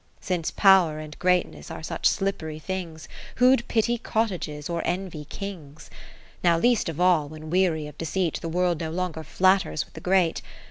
30 Since Pow'r and Greatness are such slippery things, Who'd pity cottages, or envy Kings? Now least of all, when, weary of deceit. The World no longer flatters with the great.